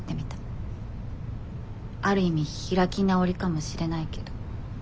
ある意味開き直りかもしれないけど。